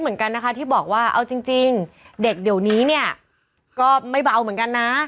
เหมือนกันนะคะที่บอกว่าเอาจริงเด็กเดี๋ยวนี้เนี่ยก็ไม่เบาเหมือนกันนะ